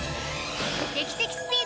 劇的スピード！